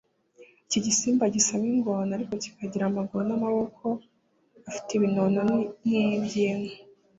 Iki gisimba gisa nk’ingona ariko kikagira amaguru n’amaboko afite ibinono nk’iby’inka